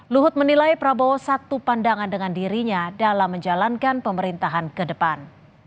luhut menilai prabowo satu pandangan dengan dirinya dalam menjalankan pemerintahan ke depan